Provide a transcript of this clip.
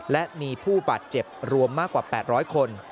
และมีผู้บาดเจ็บรวมมากกว่า๘๐๐คน